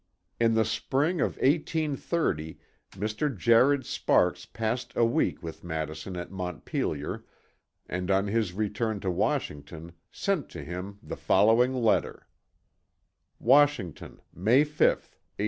In the spring of 1830 Mr. Jared Sparks passed a week with Madison at Montpelier and on his return to Washington sent to him the following letter: "WASHINGTON, May 5th, 1830.